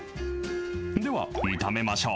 では、炒めましょう。